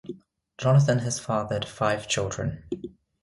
Jonathan has fathered five children.